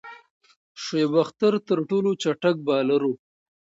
شعیب اختر تر ټولو چټک بالر وو.